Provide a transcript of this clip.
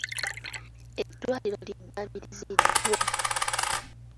Eddwaliro liddabiriziddwa.